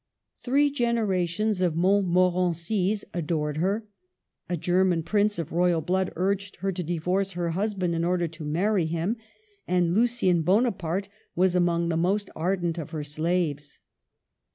Three generations of Montmorencys adored her ; a German prince of royal blood urged her to divorce her husband in order to marry him ; and Lucian Bonaparte was among the most ar dent of her slaves.